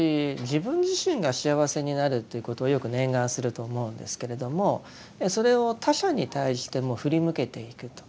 自分自身が幸せになるということをよく念願すると思うんですけれどもそれを他者に対しても振り向けていくと。